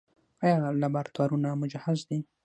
آیا لابراتوارونه مجهز دي؟